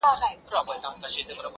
خداى دي له بدوسترگو وساته تل,